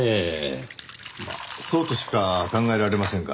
そうとしか考えられませんが。